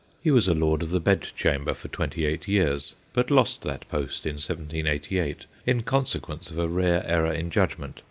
He was a Lord of the Bed chamber for twenty eight years, but lost that post in 1788, in consequence of a rare error in judgment.